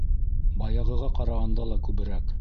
Баяғыға ҡарағанда ла күберәк.